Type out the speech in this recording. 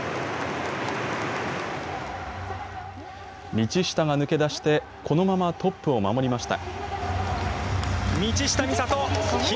道下が抜け出して、このままトップを守りました。